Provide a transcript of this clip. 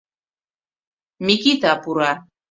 Микита пура.